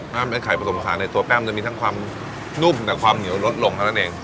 ถ้าเป็นไข่ผสมผสานในตัวแป้มจะมีทั้งความนุ่มแต่ความเหนียวลดลงเท่านั้นเอง